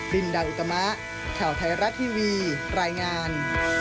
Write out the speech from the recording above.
ลินดาอุตมะข่าวไทยรัฐทีวีรายงาน